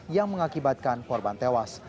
yang mengakibatkan korban tewas